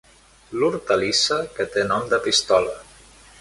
L'hortalissa que té nom de pistola.